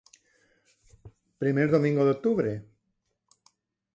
Primer domingo de octubre.